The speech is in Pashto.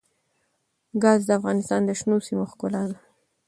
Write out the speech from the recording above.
ګاز د افغانستان د شنو سیمو ښکلا ده.